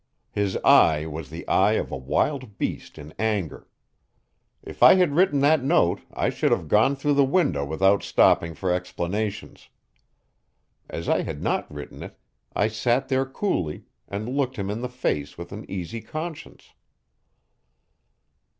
His eye was the eye of a wild beast in anger. If I had written that note I should have gone through the window without stopping for explanations. As I had not written it I sat there coolly and looked him in the face with an easy conscience.